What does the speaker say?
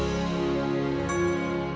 sampai jumpa lagi